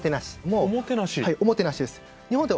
はいおもてなしです。